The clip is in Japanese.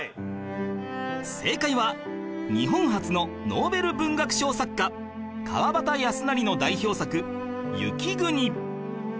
正解は日本初のノーベル文学賞作家川端康成の代表作『雪国』